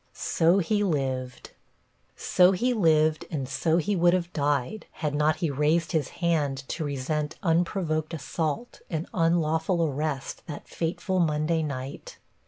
So he lived. So he lived and so he would have died had not he raised his hand to resent unprovoked assault and unlawful arrest that fateful Monday night.